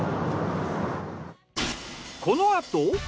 このあと。